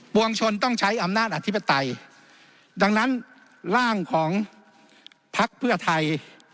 วงชนต้องใช้อำนาจอธิปไตยดังนั้นร่างของพักเพื่อไทย